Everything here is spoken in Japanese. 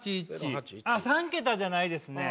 ３桁じゃないですね。